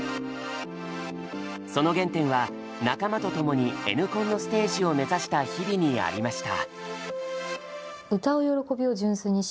その原点は仲間とともにＮコンのステージを目指した日々にありました。